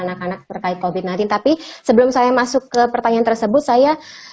anak anak terkait covid sembilan belas tapi sebelum saya masuk ke pertanyaan tersebut saya